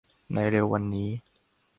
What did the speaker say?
ในเร็ววันนี้